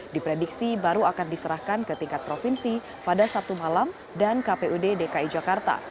diprediksi baru akan diserahkan ke tingkat provinsi pada sabtu malam dan kpud dki jakarta